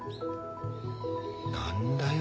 何だよ